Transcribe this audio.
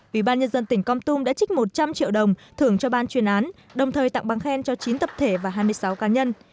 vì ban nhân dân tỉnh comtum đã trích một trăm linh triệu đồng thưởng cho ban chuyên án đồng thời tặng băng khen cho chín tập thể và hai mươi sáu cá nhân